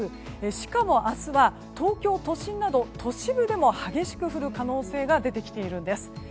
しかも、明日は東京都心など都市部でも激しく降る可能性が出てきているんです。